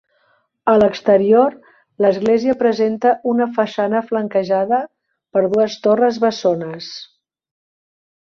A l'exterior, l'església presenta una façana flanquejada per dues torres bessones.